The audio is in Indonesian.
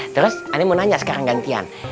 terus aneh mau nanya sekarang gantian